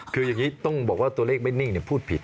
คืออย่างนี้ต้องบอกว่าตัวเลขไม่นิ่งพูดผิด